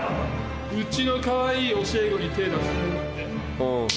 うちのかわいい教え子に手出すなんて。